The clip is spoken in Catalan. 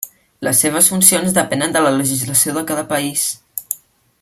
Les seves funcions depenen de la legislació de cada país.